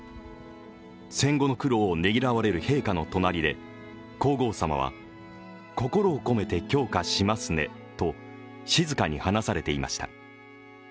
戦後の苦労をねぎらわれる陛下の隣で、皇后さまは心を込めて供花しますねと静かに話されていました。